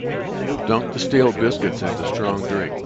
Dunk the stale biscuits into strong drink.